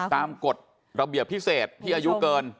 กฎระเบียบพิเศษที่อายุเกิน